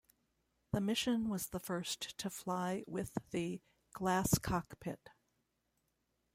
The mission was the first to fly with the "glass cockpit".